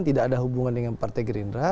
tidak ada hubungan dengan partai gerindra